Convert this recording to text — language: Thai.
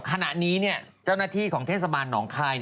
ขณะนี้เจ้าหน้าที่ของเทศบาลหนองคาย